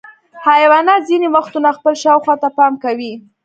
حیوانات ځینې وختونه خپل شاوخوا ته پام کوي.